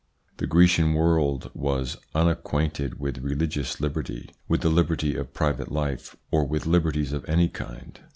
The Grecian world was unacquainted with religious liberty, with the liberty of private life, or with liberties of any kind.